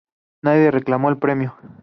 Nadie reclamó el premio.